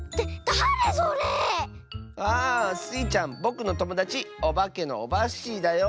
だれそれ⁉ああスイちゃんぼくのともだちおばけのオバッシーだよ。